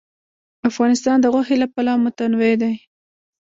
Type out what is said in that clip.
افغانستان د غوښې له پلوه متنوع دی.